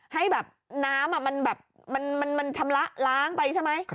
ให้แบบน้ำมันทำล้างไปใช่ไหม